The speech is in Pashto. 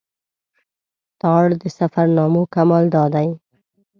تارړ د سفرنامو کمال دا دی.